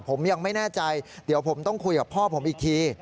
ผมยังไม่แน่ใจเดี๋ยวผมต้องคุยกับพ่อผมอีกที